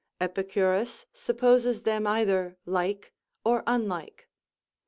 Epicurus supposes them either like or unlike.